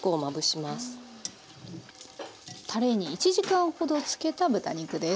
たれに１時間ほど漬けた豚肉です。